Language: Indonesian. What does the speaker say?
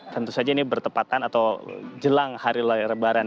tentu saja ini bertepatan atau jelang hari lebaran